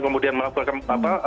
kemudian melakukan apa